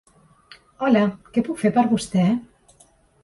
Hola què puc fer per vostè?